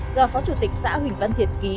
do phó chủ tịch xã huỳnh văn thiệt ký